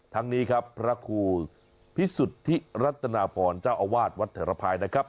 ทั้งนี้ครับพระครูพิสุทธิรัตนาพรเจ้าอาวาสวัดเถระภายนะครับ